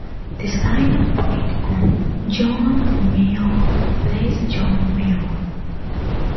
This lineup played on "John Mayall Plays John Mayall".